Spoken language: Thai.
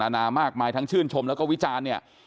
นานามากมายทั้งชื่นชมและวิจารณ์้ี